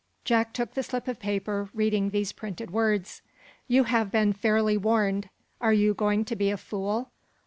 Jack took the slip of paper, reading these printed words: "You have been fairly warned. Are you going to be a fool?